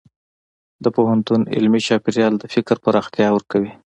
د پوهنتون علمي چاپېریال د فکر پراختیا ورکوي.